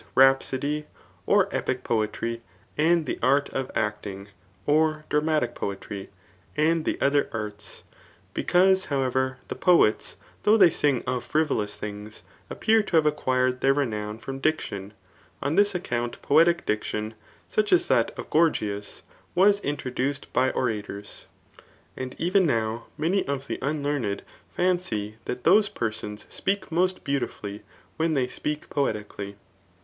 rhapsody, j^or epic poetry,] and the art of acting, [or dramatic poetry,] and die other arts. Be cause, however, the poets, though they sing of frivolous things, appear to have acquired their renown from dic tion, on this account poetic diction, such as that of Gor g^as, was introduced [T)y orators ;] and even now many of the unlearned fancy that those persons speak most beautifully when they speak poetically.